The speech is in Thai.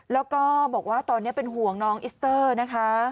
แล้วก็บอกว่าตอนนี้เป็นห่วงน้องอิสเตอร์นะคะ